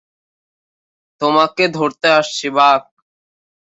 তোমাকে ধরতে আসছি, বাক!